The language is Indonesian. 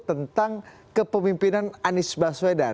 tentang kepemimpinan anies baswedan